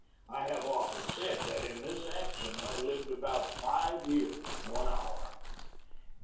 I have often said that in this action I lived about five years in one hour.